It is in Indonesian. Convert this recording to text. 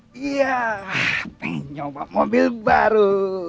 pengen nyoba mobil baru